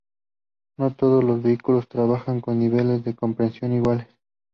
No todos los vehículos trabajan con niveles de compresión iguales.